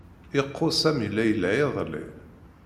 Iqqu sami layla iḍlli